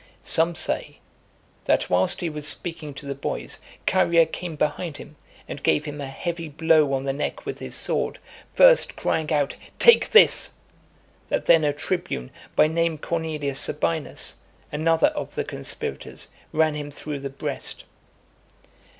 Some say, that, whilst he was speaking to the boys, Chaerea came behind him, and gave him a heavy blow on the neck with his sword, first crying out, "Take this:" that then a tribune, by name Cornelius Sabinus, another of the conspirators, ran him through the breast.